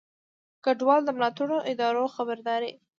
د کډوالو د ملاتړو ادارو خبرداری